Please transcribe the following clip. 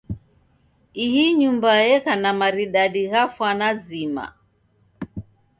Ihi nyumba yeka na maridadi gha fwana zima.